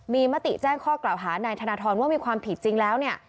มีมติแจ้งข้อกล่าวหานายธนทรว่ามีความผิดจริงแล้วเนี่ย